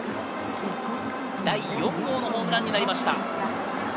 第４号のホームランになりました。